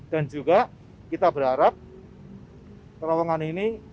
dan juga kita berharap terowongan ini